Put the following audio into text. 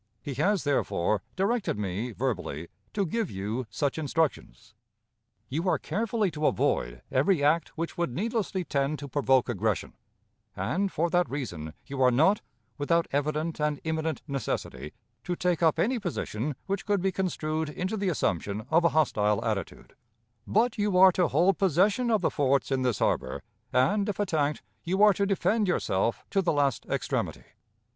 He has, therefore, directed me, verbally, to give you such instructions. "You are carefully to avoid every act which would needlessly tend to provoke aggression; and, for that reason, you are not, without evident and imminent necessity, to take up any position which could be construed into the assumption of a hostile attitude; but you are to hold possession of the forts in this harbor, and, if attacked, you are to defend yourself to the last extremity.